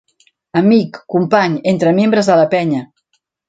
Amic, company, entre membres de la penya.